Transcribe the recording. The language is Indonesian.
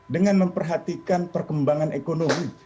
dengan memperhatikan perkembangan ekonomi